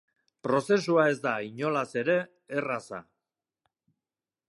Prozesua ez da, inolaz ere, erraza.